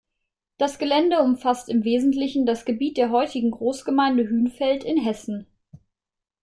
Das Gelände umfasst im Wesentlichen das Gebiet der heutigen Großgemeinde Hünfeld in Hessen.